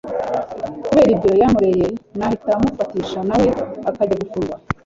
kubera ibyo yankoreye nahita mufatisha nawe akajya gufungwa